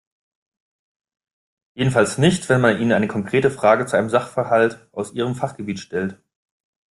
Jedenfalls nicht, wenn man ihnen eine konkrete Frage zu einem Sachverhalt aus ihrem Fachgebiet stellt.